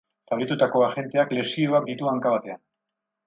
Zauritutako agenteak lesioak ditu hanka batean.